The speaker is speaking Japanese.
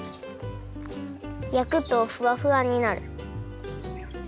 やくとふわふわになる。